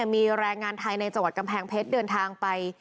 มีแรงงานไทยในจังหวัดกำแพงเพชรเดินทางไป